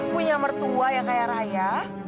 punya mertua yang kaya raya